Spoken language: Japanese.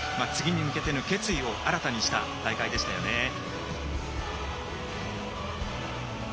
次に向けての決意を新たにした大会でしたよね。